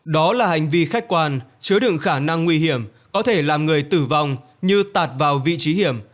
đó là hành vi khách quan chứa đựng khả năng nguy hiểm có thể làm người tử vong như tạt vào vị trí hiểm